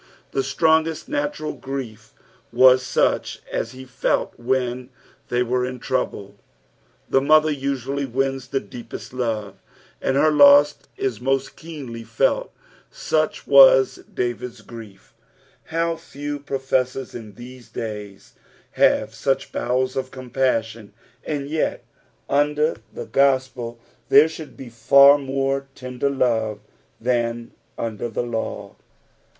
The strongest natural grief was such as he felt when they were in trouble. The mother usually wins the deepest love, and her loss is most keenly felt ; auch was David's grief. Hot few professors in tlieae daya have such bowels of compassion ; and yet under ,glc FSAL3I THE THIBTY 7IPTH. 159 the gospel there should be fur more tender love than under the law.